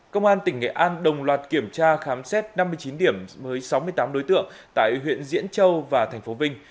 công an tỉnh nghệ an đồng loạt kiểm tra khám xét năm mươi chín điểm với sáu mươi tám đối tượng tại huyện diễn châu và tp vinh